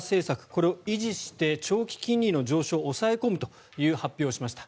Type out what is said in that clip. これを維持して長期金利の上昇を抑え込むと発表しました。